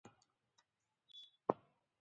باران ډیر اوورېدو